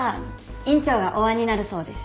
院長がお会いになるそうです。